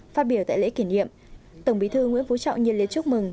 phát biểu tại lễ kỷ niệm tổng bí thư nguyễn phú trọng nhiệt liệt chúc mừng